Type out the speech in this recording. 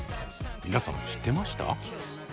皆さん知ってました？